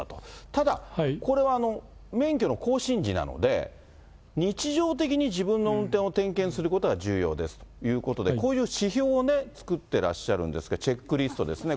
ただ、これは免許の更新時なので、日常的に自分の運転を点検することが重要ですということで、こういう指標を作ってらっしゃるんですが、チェックリストですね。